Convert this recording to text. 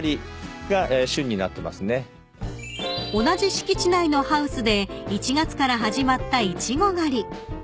［同じ敷地内のハウスで１月から始まったイチゴ狩り］